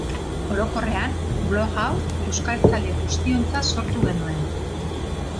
Orokorrean, blog hau euskaltzale guztiontzat sortu genuen.